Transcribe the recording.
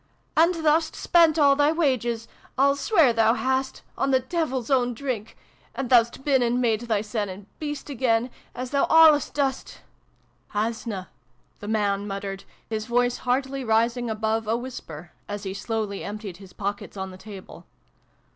"And thou'st spent all thy wages I'll swear thou hast on the devil's own drink and thou'st been and made thysen a beast again as thou allus dost " Hasna !" the man muttered, his voice hardly rising above a whisper, as he slowly emptied his pockets on the table.